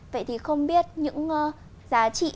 vậy thì không biết những giá trị